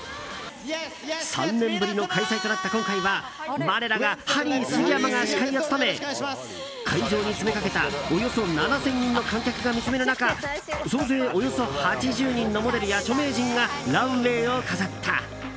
３年ぶりの開催となった今回は我らがハリー杉山が司会を務め会場に詰めかけた、およそ７０００人の観客が見つめる中総勢およそ８０人のモデルや著名人がランウェーを飾った。